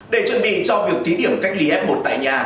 để chuẩn bị cho việc thí điểm cách ly f một tại nhà